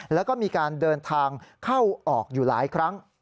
แล้วก็มีการเดินทางเข้าออกอยู่หลายครั้ง